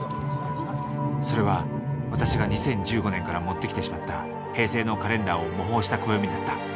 それは私が２０１５年から持ってきてしまった平成のカレンダーを模倣した暦だった。